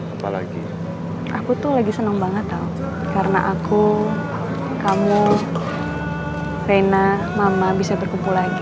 apalagi aku tuh lagi senang banget karena aku kamu reina mama bisa berkumpul lagi